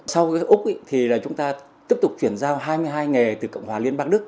sau úc thì là chúng ta tiếp tục chuyển giao hai mươi hai nghề từ cộng hòa liên bang đức